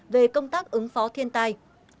về công tác ứng phó thiên tai